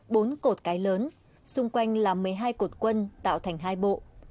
hai trái lớn xung quanh là một mươi hai cột quân tạo thành hai bộ